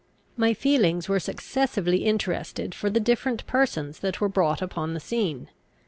My feelings were successively interested for the different persons that were brought upon the scene.